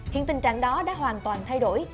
hiện tình trạng đó đã hoàn toàn thay đổi